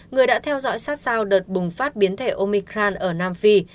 người đã theo dõi sát sao đợt bùng phát biến thể omicran ở nam phi